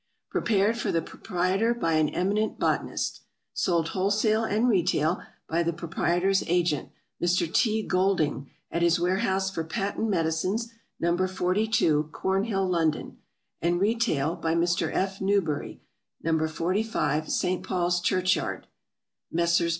Prepared for the Proprietor by an eminent Botanist. Sold Wholesale and Retail by the Proprietor's Agent, Mr. T. GOLDING, at his Warehouse for Patent Medicines, No. 42, Cornhill, London; and Retail by Mr. F. NEWBERY, No. 45, St. Paul's Church Yard; Mess.